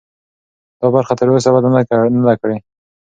دا برخه تراوسه وده نه ده کړې.